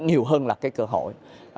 nhiều hơn là cơ hội